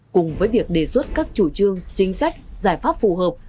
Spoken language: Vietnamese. cùng với việc đề xuất các chủ trương chính sách giải pháp phù hợp